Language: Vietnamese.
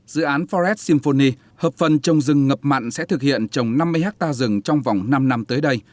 dự án forest symphony hợp phần trồng rừng ngập mặn sẽ thực hiện trồng năm mươi hectare rừng trong vòng năm năm tới đây